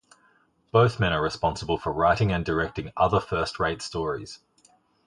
Both men are responsible for writing and directing other first-rate stories.